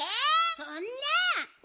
そんな！